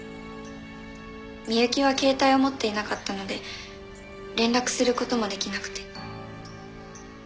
美雪は携帯を持っていなかったので連絡する事も出来なくて。